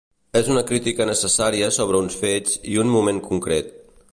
És una crítica necessària sobre uns fets i un moment concret.